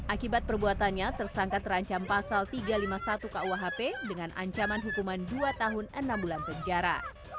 akibat perbuatannya tersangka terancam pasal tiga ratus lima puluh satu kuhp dengan ancaman hukuman dua tahun enam bulan penjara